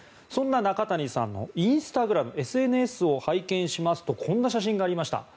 そんな中谷さんのインスタグラムＳＮＳを拝見しますとこんな写真がありました。